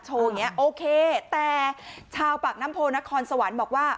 อย่างนี้โอเคแต่ชาวปากน้ำโพนครสวรรค์บอกว่า